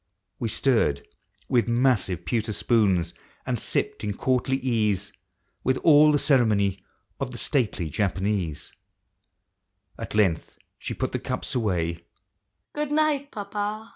We stirred with massive pewter spoons, and sipped in courtly ease, With all the ceremony of the stately Japanese. At length she put the cups away.